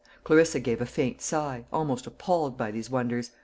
Clarissa gave a faint sigh, almost appalled by these wonders.